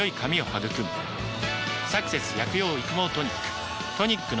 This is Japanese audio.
「サクセス薬用育毛トニック」